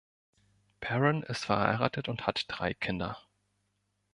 Perrin ist verheiratet und hat drei Kinder.